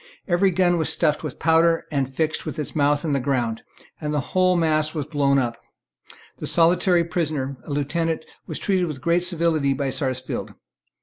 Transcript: Every gun was stuffed with powder, and fixed with its mouth in the ground; and the whole mass was blown up. The solitary prisoner, a lieutenant, was treated with great civility by Sarsfield.